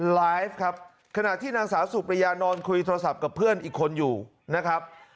ไลฟ์ครับขณะที่นางสาวสุประยานอนคุยโทรศัพท์กับเพื่อนอีกคนอยู่นะครับ